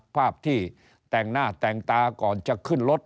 ภาพที่แต่งหน้าแต่งตาก่อนจะขึ้นรถ